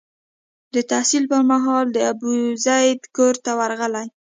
د تحصیل پر مهال د ابوزید کور ته ورغلی.